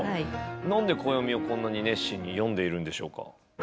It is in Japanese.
何で、暦を、こんなに熱心に読んでいるんでしょうか？